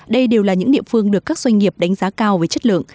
đây đều là những địa phương được các doanh nghiệp đánh giá cao về chất lượng